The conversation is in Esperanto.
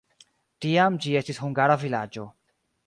Tiam ĝi estis hungara vilaĝo.